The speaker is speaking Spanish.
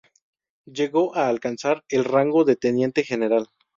Llegó a alcanzar el rango de teniente general.